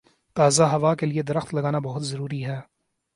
تازہ ہوا کے لیے درخت لگانا بہت ضروری ہے۔